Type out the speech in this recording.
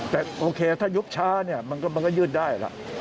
แต่โอเคถ้ายุบช้ามันก็ยื่นได้